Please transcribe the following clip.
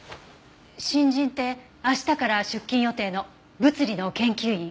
新人って明日から出勤予定の物理の研究員？